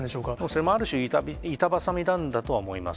それもあるし、板挟みなんだとは思います。